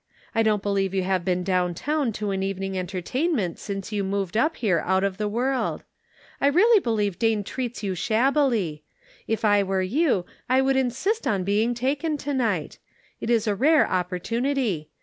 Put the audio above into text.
I don't believe you have been down town to an evening entertainment since you moved up here out of the world. I really think Dane treats you shabbily. If I were you I would insist on being taken to night. It is a rare opportunity.